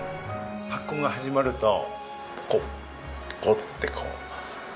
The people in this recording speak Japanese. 発酵が始まるとポコッポコッてこう。